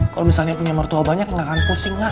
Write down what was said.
kalo misalnya punya mertua banyak kenakan pusing lah